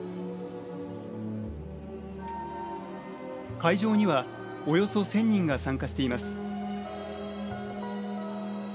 会場にはおよそ１０００人が参加しています。